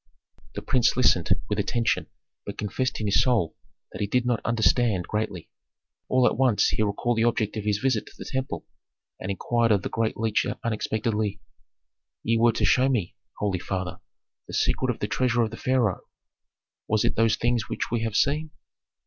The prince listened with attention, but confessed in soul that he did not understand greatly. All at once he recalled the object of his visit to the temple, and inquired of the great leech unexpectedly, "Ye were to show me, holy father, the secret of the treasure of the pharaoh. Was it those things which we have seen?"